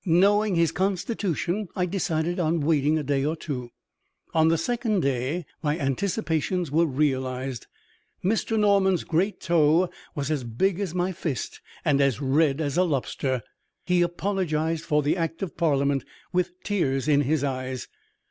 Knowing his constitution, I decided on waiting a day or two. On the second day, my anticipations were realized. Mr. Norman's great toe was as big as my fist and as red as a lobster; he apologized for the Act of Parliament with tears in his eyes.